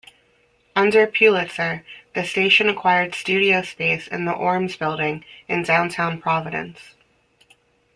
Under Pulitzer, the station acquired studio space in the Orms Building in downtown Providence.